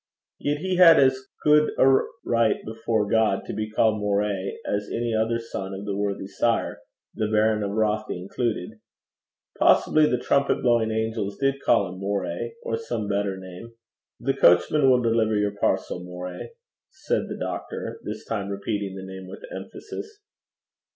Yet he had as good a right before God to be called Moray as any other son of that worthy sire, the Baron of Rothie included. Possibly the trumpet blowing angels did call him Moray, or some better name. 'The coachman will deliver your parcel, Moray,' said the doctor, this time repeating the name with emphasis.